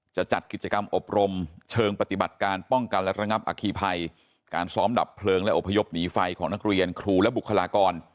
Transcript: จัดกิจกรรมอบรมเชิงปฏิบัติการป้องกันและระงับอคีภัยการซ้อมดับเพลิงและอบพยพหนีไฟของนักเรียนครูและบุคลากร